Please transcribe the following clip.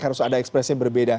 harus ada ekspresi yang berbeda